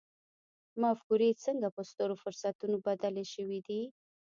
مفکورې څنګه په سترو فرصتونو بدلې شوې دي.